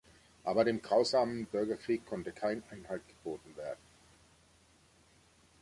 Aber dem grausamen Bürgerkrieg konnte kein Einhalt geboten werden.